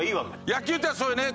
野球ってそういうね